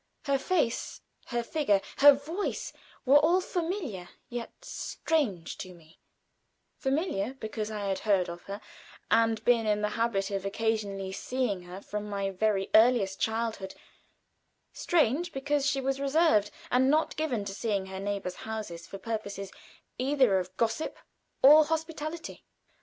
Her face, her figure, her voice were familiar, yet strange to me familiar because I had heard of her, and been in the habit of occasionally seeing her from my very earliest childhood; strange, because she was reserved and not given to seeing her neighbors' houses for purposes either of gossip or hospitality.